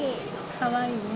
かわいいね。